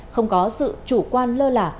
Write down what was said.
không có sự chủ quan lơ lạc